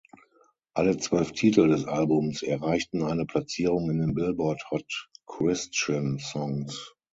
Alle zwölf Titel des Albums erreichten eine Platzierung in den Billboard Hot Christian Songs.